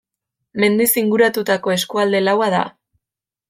Mendiz inguratutako eskualde laua da.